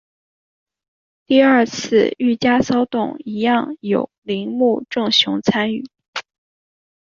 第二次御家骚动一样有铃木正雄参与。